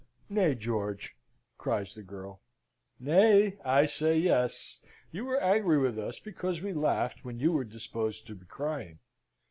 "Nay, George!" cries the girl. "Nay? I say, yes! You were angry with us because we laughed when you were disposed to be crying.